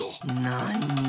なに？